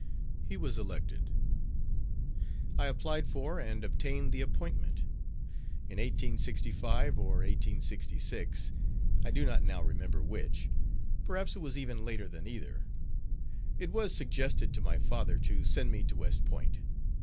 He was elected. I applied for and obtained the appointment. In 1865 or 1866 I do not now remember which: perhaps it was even later than either it was suggested to my father to send me to West Point.